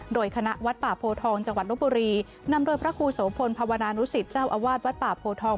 โดยคณะวัดป่าโพทองจังหวัดลบบุรีนำโดยพระครูโสพลภาวนานุสิตเจ้าอาวาสวัดป่าโพทอง